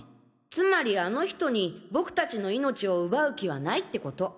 つまりあの人に僕達の命を奪う気はないってこと！